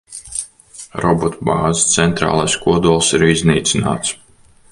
Robotu bāzes centrālais kodols ir iznīcināts.